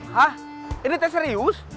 hah ini tak serius